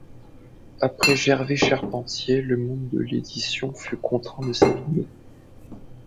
Après Gervais Charpentier, le monde de l'édition fut contraint de s'aligner.